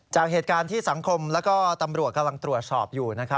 จากเหตุการณ์ที่สังคมและตำรวจกำลังตรวจสอบอยู่